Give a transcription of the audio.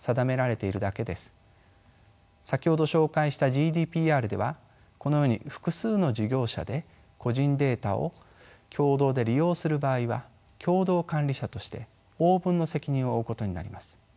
先ほど紹介したＧＤＰＲではこのように複数の事業者で個人データを共同で利用する場合は共同管理者として応分の責任を負うことになります。